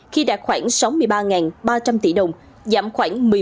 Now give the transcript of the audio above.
khi đạt khoảng sáu mươi ba ba trăm linh tỷ đồng giảm khoảng một mươi năm